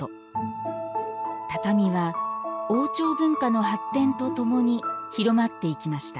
畳は王朝文化の発展とともに広まっていきました。